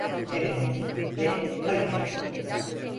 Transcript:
Evet ve hayır.